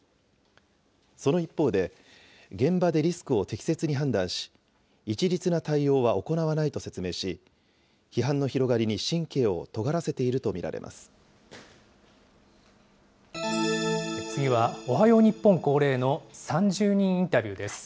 その一方で、現場でリスクを適切に判断し、一律な対応は行わないと説明し、批判の広がりに神経を次は、おはよう日本恒例の３０人インタビューです。